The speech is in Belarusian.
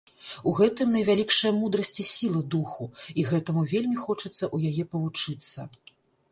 У гэтым найвялікшая мудрасць і сіла духу, і гэтаму вельмі хочацца ў яе павучыцца.